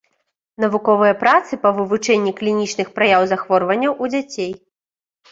Навуковыя працы па вывучэнні клінічных праяў захворванняў у дзяцей.